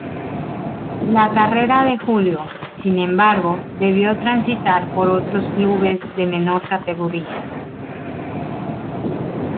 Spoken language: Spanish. La carrera de Julio, sin embargo, debió transitar por otros clubes de menor categoría.